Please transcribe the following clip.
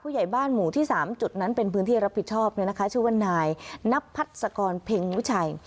ผู้ใหญ่บ้านหมู่ที่๓จุดนั้นเป็นพื้นที่รับประภาพชื่อว่านายนับพัชศกรเพียงวิจัย